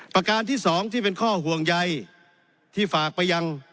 ประการที่สองที่เป็นข้อห่วงใยที่ฝากไปยัง